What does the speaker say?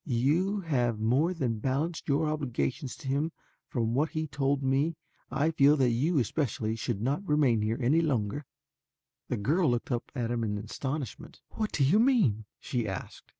You have more than balanced your obligations to him and from what he told me I feel that you especially should not remain here longer." The girl looked up at him in astonishment. "What do you mean?" she asked.